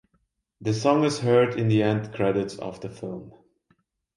The song is heard in the end credits of the film.